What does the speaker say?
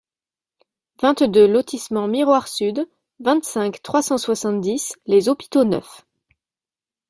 vingt-deux lotissement Miroir Sud, vingt-cinq, trois cent soixante-dix, Les Hôpitaux-Neufs